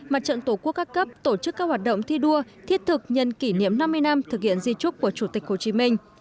mặt trận tổ quốc các cấp tổ chức các hoạt động thi đua thiết thực nhân kỷ niệm năm mươi năm thực hiện di trúc của chủ tịch hồ chí minh